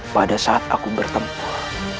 pada saat aku bertempur